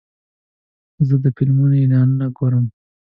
زه د فلمونو اعلانونه ګورم.